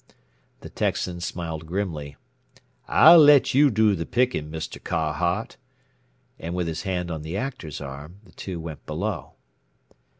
The Texan smiled grimly: "I'll let you do the picking, Mr. Carhart " and with his hand on the Actor's arm, the two went below.